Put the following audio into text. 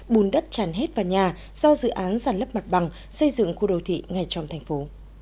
bùn đất tràn hết vào nhà do dự án giàn lấp mặt bằng xây dựng khu đô thị ngay trong thành phố